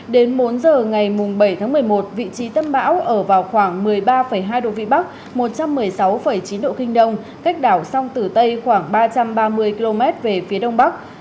đến bốn giờ ngày bảy tháng một mươi một vị trí tâm bão ở vào khoảng một mươi ba hai độ vĩ bắc một trăm một mươi sáu chín độ kinh đông cách đảo sông tử tây khoảng ba trăm ba mươi km về phía đông bắc